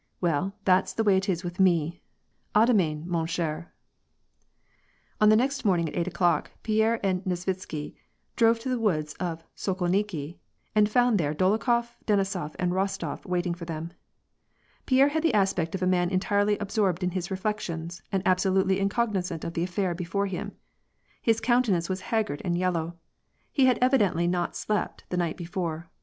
Well that's the way it is with me ! A demain, man cher/" On the next morning at eight o'clock, Pierre and Nesvitsky drove to the woods of Sokolniki, and found there Dolokhof, Denisof, and Rostof waiting for them. Pierre had the aspect of a man entirely absorbed in his reflections, and absolutely incognizant of the affair before him. His countenance was haggard and yellow. He had evidently not slept the night before.